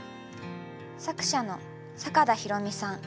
作者の坂田裕美さん。